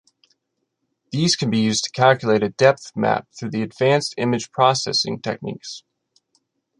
These can be used to calculate a depth map through advanced image processing techniques.